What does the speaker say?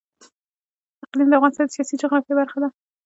اقلیم د افغانستان د سیاسي جغرافیه برخه ده.